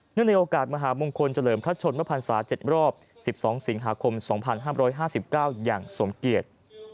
ในโอกาสมหามงคลเฉลิมพระชนมพันศา๗รอบ๑๒สิงหาคม๒๕๕๙อย่างสมเกียจ